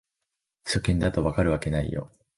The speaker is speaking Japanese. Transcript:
初見だと解けるわけないよ